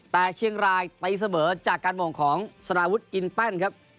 แต่เชียงรายตะยิ้งเสมอจากการหม่อของสนาวุธอินเป้นครับ